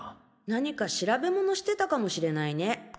何か調べものしてたかもしれないね。